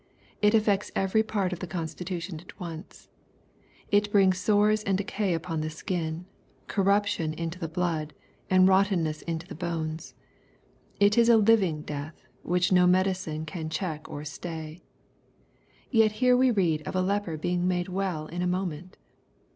It affects every part of the constitution at once. It brings sores and decay upon the skin, corruption into the blood, and rottenness into the bones. It is a living death, which no medicine can check or stay. Yet here we read of a leper being made well in a moment.